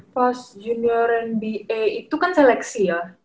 pas junior nba itu kan seleksi ya